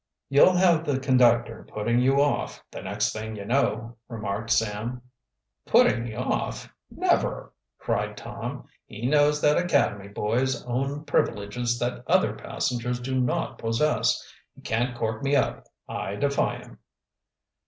"You'll have the conductor putting you off, the next thing you know," remarked Sam. "Putting me off? Never!" cried Tom. "He knows that academy boys own privileges that other passengers do not possess. He can't cork me up. I defy him!"